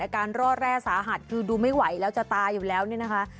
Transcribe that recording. การรอดแร่สาหัสคือดูไม่ไหวแล้วจะตายอยู่แล้วเนี่ยนะคะ